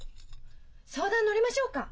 相談乗りましょうか？